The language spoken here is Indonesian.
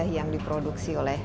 yang diproduksi oleh